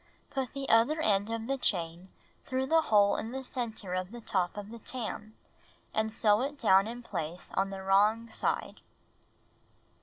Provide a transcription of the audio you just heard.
Put the other end of the chain through the hole in the center of the top of the tarn, and sew it down in place on the wrong side.